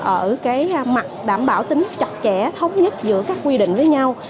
ở cái mặt đảm bảo tính chặt chẽ thống nhất giữa các quy định với nhau